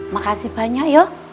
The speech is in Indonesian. makasih banyak yuk